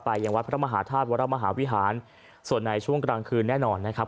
ยังวัดพระมหาธาตุวรมหาวิหารส่วนในช่วงกลางคืนแน่นอนนะครับ